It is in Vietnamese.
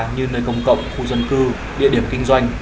như nơi công cộng khu dân cư địa điểm kinh doanh